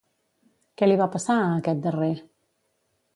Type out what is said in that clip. Què li va passar a aquest darrer?